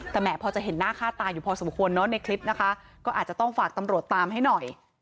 แต่แหมพอจะเห็นหน้าค่าตาอยู่พอสมควรเนอะในคลิปนะคะก็อาจจะต้องฝากตำรวจตามให้หน่อย